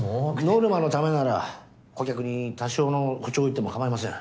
ノルマのためなら顧客に多少の誇張を言ってもかまいません。